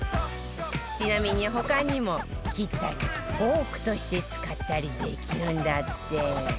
ちなみに他にも切ったりフォークとして使ったりできるんだって